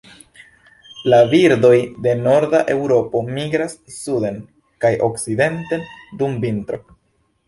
La birdoj de norda Eŭropo migras suden kaj okcidenten dum vintro.